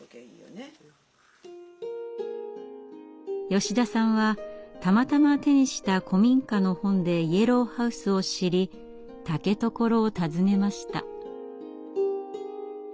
吉田さんはたまたま手にした古民家の本でイエローハウスを知り竹所を訪ねました。